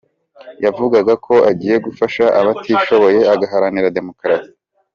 Yavugaga ko agiye gufasha abatishoboye, agaharanira demokrasi.